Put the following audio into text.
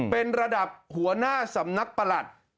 เป็นระดับหัวหน้าสำนักประหลัด